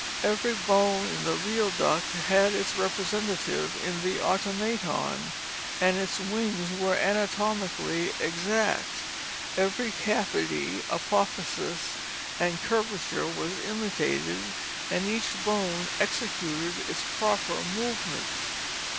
Every bone in the real duck had its representative In the automaton, and its wings were anatomically exact. Every cavity, apophysis, and curvature was imitated, and each bone executed its proper movements.